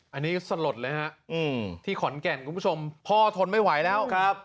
อันนี้สลดเลยฮะที่ขอนแก่นคุณผู้ชมพ่อทนไม่ไหวแล้วครับ